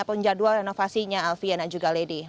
ataupun jadwal renovasinya alfie anak juga lady